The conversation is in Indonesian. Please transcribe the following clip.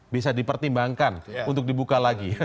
bisa dipertimbangkan untuk dibuka lagi